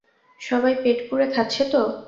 সবাই পেট পুরে খাচ্ছে তো?